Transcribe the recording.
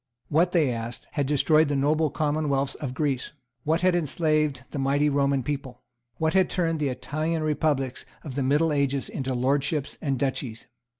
What, they asked, had destroyed the noble commonwealths of Greece? What had enslaved the mighty Roman people? What had turned the Italian republics of the middle ages into lordships and duchies?